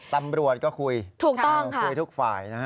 ตำรวจก็คุยถูกต้องคุยทุกฝ่ายนะฮะ